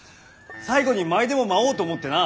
最期に舞でも舞おうと思ってな。